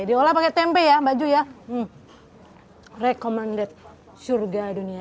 diolah pakai tempe ya baju ya rekomendasi surga dunia